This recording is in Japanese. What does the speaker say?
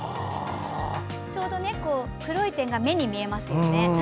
ちょうど黒い点が目に見えますよね。